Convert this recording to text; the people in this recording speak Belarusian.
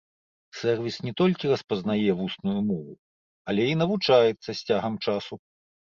Сэрвіс не толькі распазнае вусную мову, але і навучаецца з цягам часу.